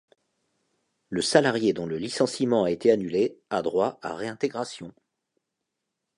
Le salarié dont le licenciement a été annulé a droit à réintégration.